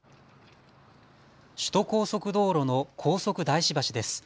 首都高速道路の高速大師橋です。